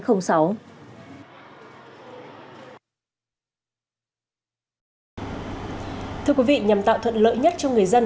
thưa quý vị nhằm tạo thuận lợi nhất cho người dân